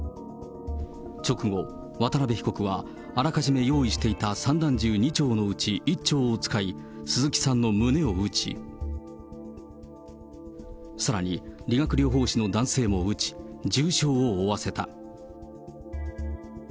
直後、渡辺被告は、あらかじめ用意していた散弾銃２丁のうち１丁を使い、鈴木さんの胸を撃ち、さらに、理学療法士の男性も撃ち、重傷を負わせた。